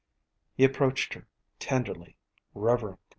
He approached her, tenderly, reverently.